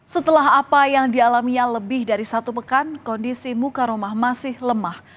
setelah apa yang dialaminya lebih dari satu pekan kondisi muka rumah masih lemah